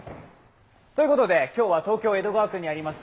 ということで今日は東京・江戸川区にあります